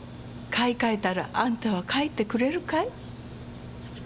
買い替えたらあんたは帰ってくれるかい？